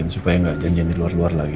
supaya nggak janjian di luar luar lagi